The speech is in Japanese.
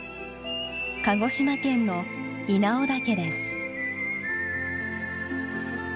鹿児島県の稲尾岳です。